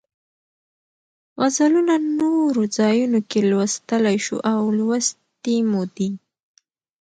غزلونه نورو ځایونو کې لوستلی شو او لوستې مو دي.